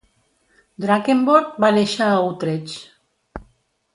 Drakenborch va néixer a Utrecht.